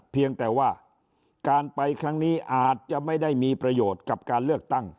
เพียงแต่ว่าการไปครั้งนี้อาจจะไม่ได้มีประโยชน์กับการเลือกตั้ง